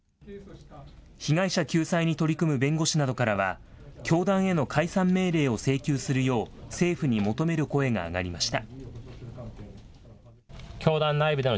被害者救済に取り組む弁護士などからは教団への解散命令を請求するよう政府に求める声が上がりました。